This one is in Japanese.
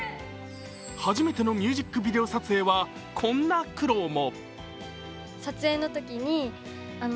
初めてのミュージックビデオ撮影はこんな苦労も。